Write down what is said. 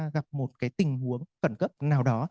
gặp một cái tình huống cẩn cấp nào đó